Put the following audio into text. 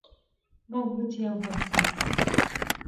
Mamuchi abwat kiy